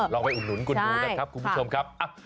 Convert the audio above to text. ไปอุดหนุนคุณดูนะครับคุณผู้ชมครับ